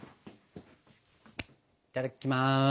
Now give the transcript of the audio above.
いただきます。